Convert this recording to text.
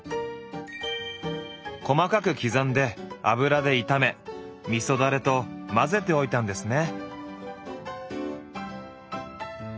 細かく刻んで油で炒めみそダレと混ぜておいたんですね。